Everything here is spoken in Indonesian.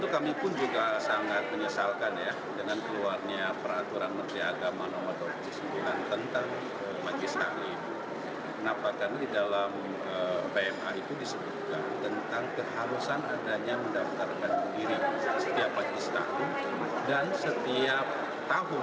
kami harus melaporkan kegiatan dari majelis taklim itu